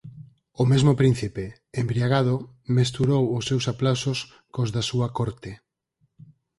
O mesmo Príncipe, embriagado, mesturou os seus aplausos cos da súa corte.